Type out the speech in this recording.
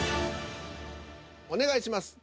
お願いします。